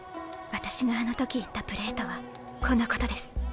私があの時言ったプレーとはこのことです。